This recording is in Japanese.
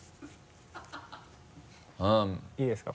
いいですか？